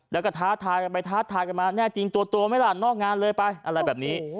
แล้วก็ท้าทายกันไปท้าทายกันมาแน่จริงตัวไหมล่ะนอกงานเลยไปอะไรแบบนี้